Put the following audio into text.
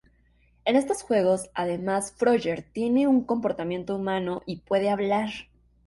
En estos juegos además Frogger tiene un comportamiento humano y puede hablar.